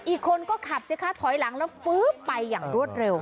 อีกคนก็ขับเจ้าข้าท้อยหลังแล้วฟื้อไปอย่างรวดเร็วค่ะ